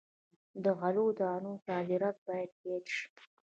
د غلو دانو صادرات باید زیات شي.